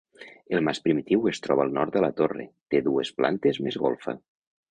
El mas primitiu es troba al nord de la torre, té dues plantes més golfa.